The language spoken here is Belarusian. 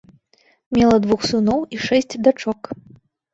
Мела двух сыноў і шэсць дачок.